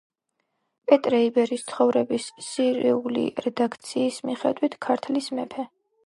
პეტრე იბერის ცხოვრების სირიული რედაქციის მიხედვით, ქართლის მეფე.